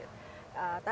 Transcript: tadi kulipangus kan